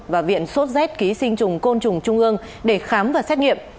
và viện sốt z ký sinh trùng côn trùng trung ương để khám và xét nghiệm